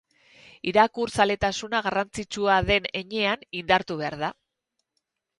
Irakurzaletasuna garrantzitsua den heinean, indartu behar da